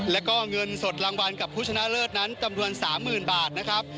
แล้วก็เงินสดรางวัลกับผู้ชนะเลิศนั้นจำนวน๓๐๐๐บาทนะครับ